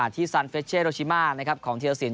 ที่สันเฟรเชเชโรชิมาของเทียร์สิน